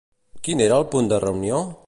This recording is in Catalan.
Quin era el punt de reunió?